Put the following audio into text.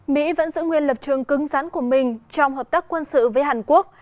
mỹ vẫn giữ nguyên lập trường cứng rắn của mình trong hợp tác quân sự với hàn quốc